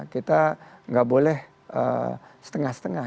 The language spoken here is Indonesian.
kita nggak boleh setengah setengah